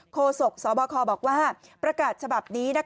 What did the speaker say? โศกสบคบอกว่าประกาศฉบับนี้